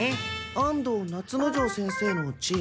安藤夏之丞先生のチーム？